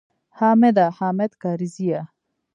حامده! حامد کرزیه!